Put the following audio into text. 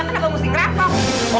kenapa mesti ngerampok